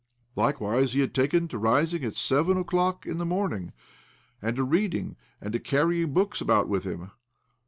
Likewise he had taken to rising at seven o'clock in thte morning, and to reading, and to carrying books about with him.